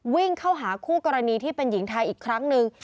วิ่งเข้าหาคู่กรณีที่เป็นหญิงไทยอีกครั้งหนึ่ง